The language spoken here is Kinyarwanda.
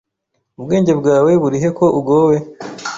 Ubwenge bwawe burihe ko ugowe ?